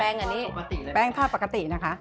อันนี้แป้งทอดปกตินะคะ